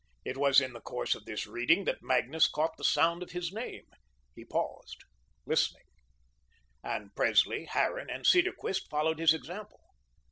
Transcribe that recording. It was in the course of this reading that Magnus caught the sound of his name. He paused, listening, and Presley, Harran and Cedarquist followed his example.